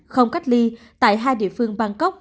không cách ly tại hai địa phương